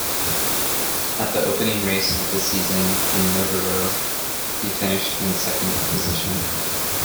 At the opening race of the season, in Nogaro, he finished in second position.